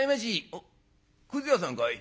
「おっくず屋さんかい？